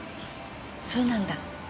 そうなんだ。